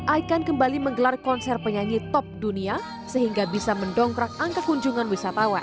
akan kembali menggelar konser penyanyi top dunia sehingga bisa mendongkrak angka kunjungan wisatawan